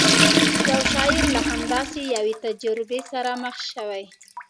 یو شاعر له همداسې یوې تجربې سره مخ شوی.